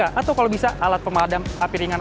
atau kalau bisa alat pemadam api ringan